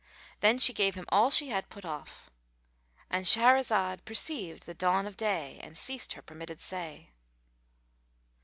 Then she gave him all she had put off.—And Shahrazad perceived the dawn of day and ceased saying her permitted say.